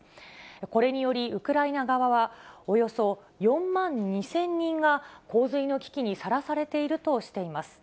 これによりウクライナ側は、およそ４万２０００人が洪水の危機にさらされているとしています。